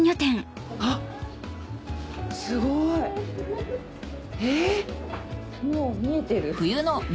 あっすごい！えっ？